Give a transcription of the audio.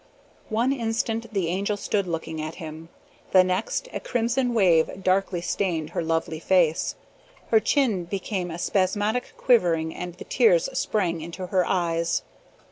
One instant the Angel stood looking at him. The next a crimson wave darkly stained her lovely face. Her chin began a spasmodic quivering and the tears sprang into her eyes.